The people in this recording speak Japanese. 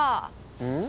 うん？